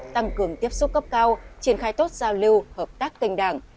tăng cường tiếp xúc cấp cao triển khai tốt giao lưu hợp tác kênh đảng